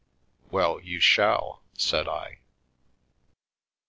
" Well, you shall," said I.